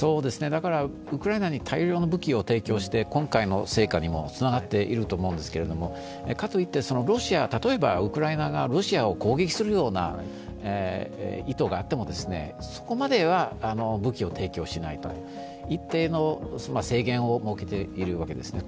ウクライナに大量の武器を提供して今回の成果にもつながっていると思うんですけど、かといって、例えばウクライナがロシアを攻撃するような意図があってもそこまでは、武器を提供しないと、一定の制限を設けているわけですね。